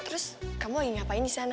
oh terus kamu lagi ngapain disana